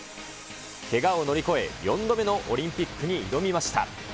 けがを乗り越え４度目のオリンピックに挑みました。